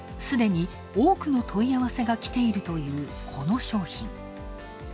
すでに多くの問い合わせがきているというこの商品。